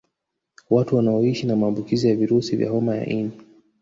Watu wanaoishi na maambukizi ya virusi vya homa ya ini